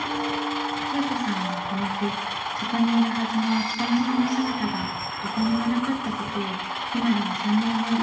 恵子さんはこの日そこにいるはずの勉さんの姿がどこにもなかったことを今でも鮮明に覚えているそうです。